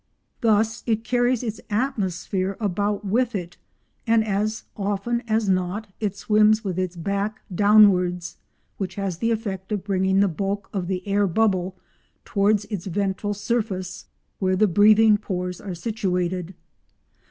Thus it carries its atmosphere about with it, and as often as not it swims with its back downwards, which has the effect of bringing the bulk of the air bubble towards its ventral surface, where the breathing pores are situated.